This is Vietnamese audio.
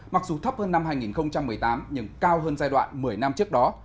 mặc dù thấp hơn năm hai nghìn một mươi tám nhưng cao hơn giai đoạn một mươi năm trước đó